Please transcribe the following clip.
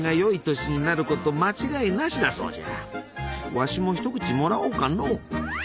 わしも一口もらおうかのう。